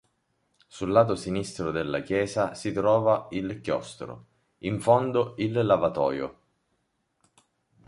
Sul lato sinistro della chiesa si trova il chiostro; in fondo il lavatoio.